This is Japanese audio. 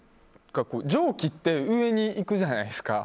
蒸気って上にいくじゃないですか。